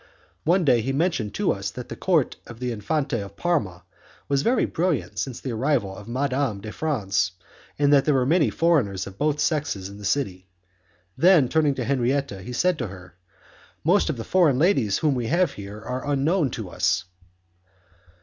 One day he mentioned to us that the court of the Infante of Parma was very brilliant since the arrival of Madame de France, and that there were many foreigners of both sexes in the city. Then, turning towards Henriette, he said to her; "Most of the foreign ladies whom we have here are unknown to us."